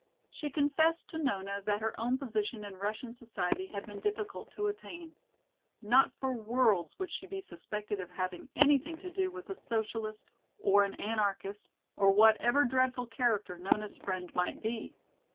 She confessed to Nona that her own position in Russian society had been difficult to attain. Not for worlds would she be suspected of having anything to do with a Socialist, or an Anarchist, or whatever dreadful character Nona's friend might be!